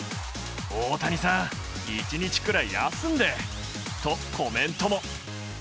大谷さん、１日くらい休んでとコメントも。